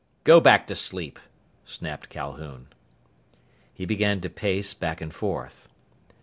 "Go back to sleep!" snapped Calhoun. He began to pace back and forth.